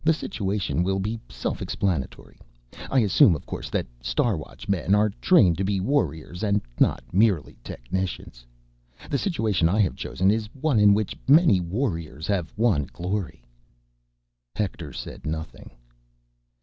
"The situation will be self explanatory. I assume, of course, that Star Watchmen are trained to be warriors and not merely technicians. The situation I have chosen is one in which many warriors have won glory." Hector said nothing.